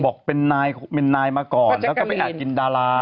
บอกเป็นนายมาก่อนแล้วก็ไปอาจกินดารา